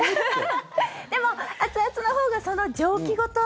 でも、熱々のほうがその蒸気ごと。